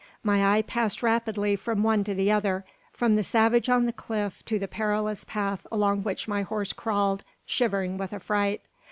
My eye passed rapidly from one to the other; from the savage on the cliff to the perilous path along which my horse crawled, shivering with affright.